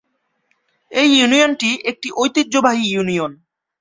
এই ইউনিয়নটি একটি ঐতিহ্যবাহী ইউনিয়ন।